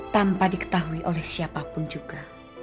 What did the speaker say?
tanpa diketahui oleh siapa pun juga